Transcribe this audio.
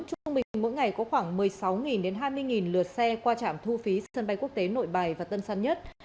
trung bình mỗi ngày có khoảng một mươi sáu hai mươi lượt xe qua trạm thu phí sân bay quốc tế nội bài và tân sân nhất